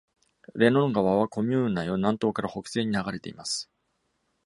レノン川はコミューン内を南東から北西に流れています。